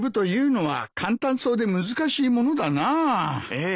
ええ。